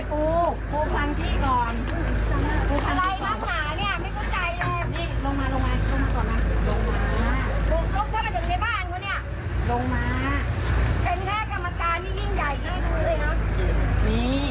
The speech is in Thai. ก็ขอว่าในเองก็ไม่ยอม